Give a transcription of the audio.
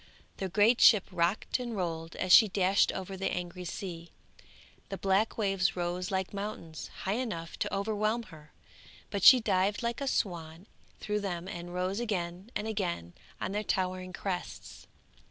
The great ship rocked and rolled as she dashed over the angry sea, the black waves rose like mountains, high enough to overwhelm her, but she dived like a swan through them and rose again and again on their towering crests.